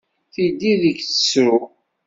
Tiddi deg-i tserru.